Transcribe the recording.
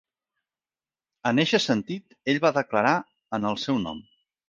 En eixe sentit, ell va declarar en el seu nom.